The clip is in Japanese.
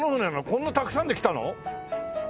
こんなたくさんで来たの？